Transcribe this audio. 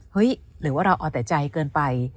เห้ยหรือว่าเราอดแต่ใจเกินไป